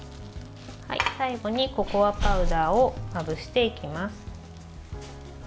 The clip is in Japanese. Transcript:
最後にココアパウダーをまぶしていきます。